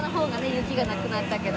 雪がなくなったけど。